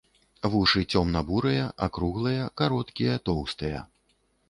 Вушы цёмна-бурыя, акруглыя, кароткія, тоўстыя.